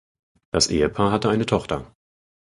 Das Ehepaar hatte eine Tochter.